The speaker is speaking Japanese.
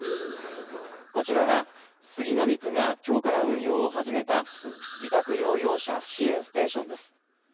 こちらは杉並区がきょうから運用を始めた自宅療養者支援ステーションです。